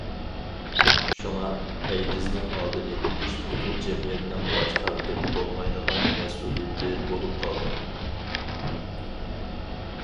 شۇڭا، ئەيدىزنىڭ ئالدىنى ئېلىش پۈتۈن جەمئىيەتنىڭ باش تارتىپ بولمايدىغان مەسئۇلىيىتى بولۇپ قالدى.